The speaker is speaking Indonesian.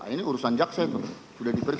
ini urusan jaksa itu